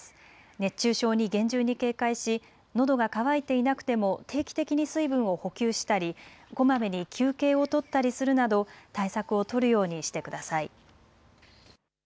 熱中症に厳重に警戒しのどが渇いていなくても定期的に水分を補給したりこまめに休憩を取ったりするなど対策を取るようにしてください。